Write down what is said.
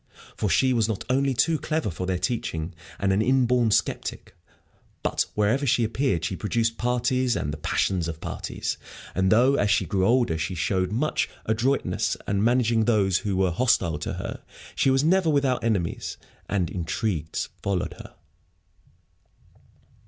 For she was not only too clever for their teaching, and an inborn sceptic, but wherever she appeared she produced parties and the passions of parties. And though, as she grew older, she showed much adroitness in managing those who were hostile to her, she was never without enemies, and intrigues followed her.